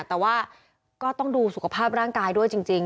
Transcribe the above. แต่ว่าก็ต้องดูสุขภาพร่างกายด้วยจริง